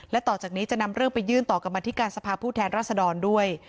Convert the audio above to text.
และต่อจากนี้จะนำเรื่องไปยื่นต่อกรรมธิการสภาพผู้แทนรัศดรด้วย